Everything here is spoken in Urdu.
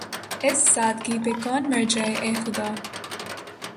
اس سادگی پہ کون مر جائے‘ اے خدا!